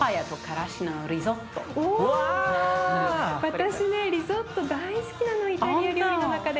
私ねリゾット大好きなのイタリア料理の中で。